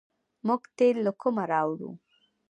موږ تیل له کومه راوړو؟